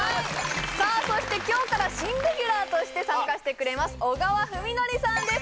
さあそして今日から新レギュラーとして参加してくれます小川史記さんです